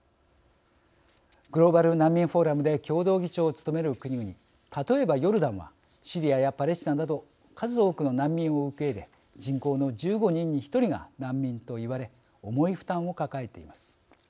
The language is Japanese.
グローバル難民フォーラムで共同議長を務める国々例えばヨルダンはシリアやパレスチナなど数多くの難民を受け入れ人口の１５人に１人が難民と言われ重い負担を抱えています。